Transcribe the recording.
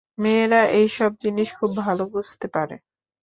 মেয়েরা এইসব জিনিস খুব ভালো বুঝতে পারে।